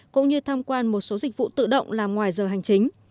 cũng như tham quan một số dịch vụ tự động làm ngoài giờ hành chính